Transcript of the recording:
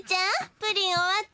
プリン終わった？